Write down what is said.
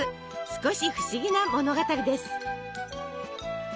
少し不思議な物語です。